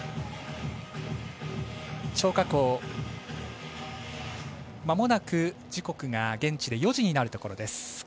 張家口、まもなく時刻が現地で４時になるところです。